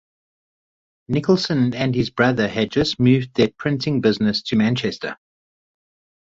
Nicholson and his brother had just moved their printing business to Manchester.